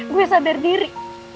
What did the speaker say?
gue sadar diri